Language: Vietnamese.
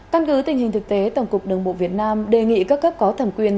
căn cứ tình hình thực tế tổng cục đường bộ việt nam đề nghị các cấp có thẩm quyền